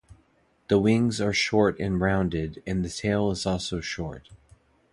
The wings are short and rounded, and the tail is also short.